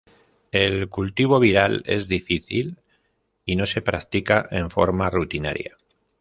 El cultivo viral es difícil y no se practica en forma rutinaria.